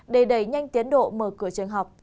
đầy đầy nhanh tiến độ mở cửa trường học